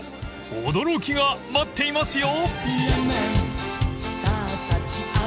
［驚きが待っていますよ！］